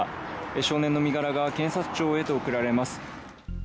少年の身柄が検察庁へと送られます。